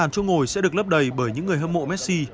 bốn mươi năm chỗ ngồi sẽ được lấp đầy bởi những người hâm mộ messi